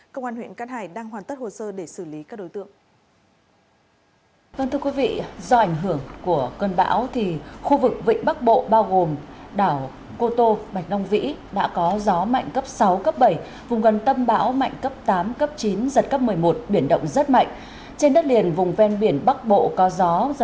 cơ quan huyện cát hải đang hoàn tất hồ sơ để xử lý các đối tượng